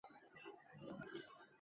建于中华民国初年。